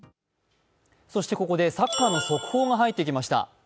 ここでサッカーの速報が入ってきました。